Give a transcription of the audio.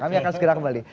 kami akan segera kembali